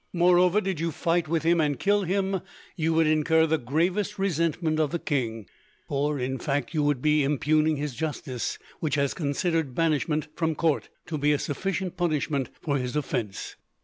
Moreover, did you fight with him and kill him, you would incur the gravest resentment of the king; for, in fact, you would be impugning his justice, which has considered banishment from court to be a sufficient punishment for his offence.